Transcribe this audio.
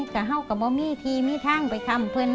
ก็เหาะกับว่ามีทีมีทางไปทำเพลิน